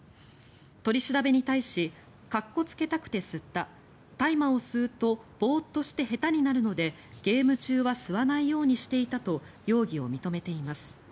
取り調べに対しかっこつけたくて吸った大麻を吸うとボーッとして下手になるのでゲーム中は吸わないようにしていたと容疑を認めています。